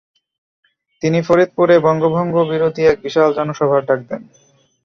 তিনি ফরিদপুরে বঙ্গভঙ্গ বিরোধী এক বিশাল জনসভার ডাক দেন।